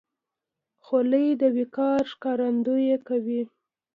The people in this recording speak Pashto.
خولۍ د وقار ښکارندویي کوي.